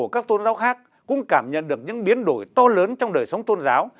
cảm nhận được những biến đổi to lớn trong đời sống tôn giáo